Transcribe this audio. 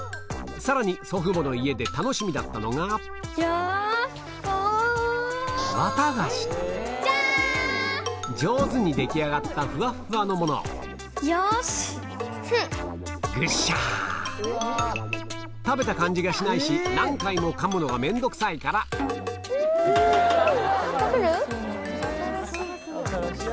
さらに祖父母の家で上手に出来上がったふわっふわのもの食べた感じがしないし何回も噛むのが面倒くさいからうん！